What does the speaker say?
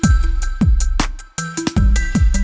gak ada yang nungguin